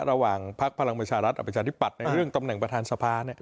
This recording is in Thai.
ระหว่างพักภารกมชาติรัฐอาจารย์ธิปัตย์ในเรื่องตำแหน่งประธานสภาเนี่ย